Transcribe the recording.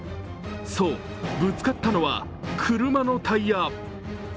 そう、ぶつかったのは車のタイヤ。